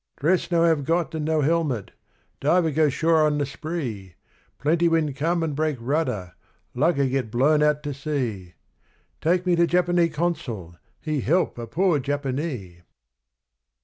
'Dress no have got and no helmet diver go shore on the spree; Plenty wind come and break rudder lugger get blown out to sea: Take me to Japanee Consul, he help a poor Japanee!'